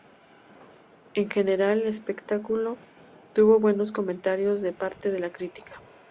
En general, el espectáculo tuvo buenos comentarios de parte de la crítica.